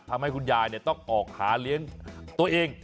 ทำให้คุณยายต้องออกหาเลี้ยงตัวเอง